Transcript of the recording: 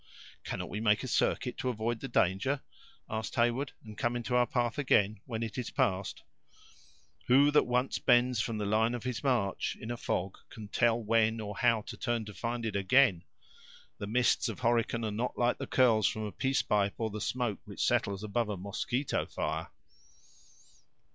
"Cannot we make a circuit to avoid the danger," asked Heyward, "and come into our path again when it is passed?" "Who that once bends from the line of his march in a fog can tell when or how to find it again! The mists of Horican are not like the curls from a peace pipe, or the smoke which settles above a mosquito fire."